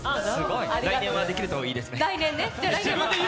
来年はできるといいですね。